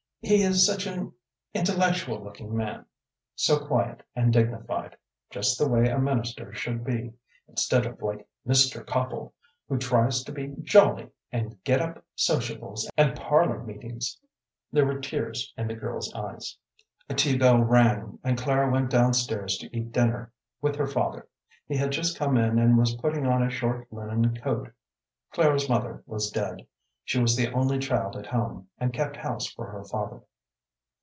he is such an intellectual looking man, so quiet and dignified; just the way a minister should be, instead of like Mr. Copple, who tries to be jolly and get up sociables and parlor meetings." There were tears in the girl's eyes. A tea bell rang, and Clara went down stairs to eat dinner with her father. He had just come in and was putting on a short linen coat. Clara's mother was dead. She was the only child at home, and kept house for her father.